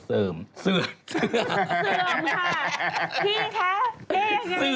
เสิร์มเสิร์มเสิร์มค่ะพี่แท้เยอะอย่างไรนี่